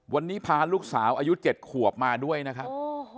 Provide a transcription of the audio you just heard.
วันนี้พาลูกสาวอายุ๗ขวบมาด้วยนะครับ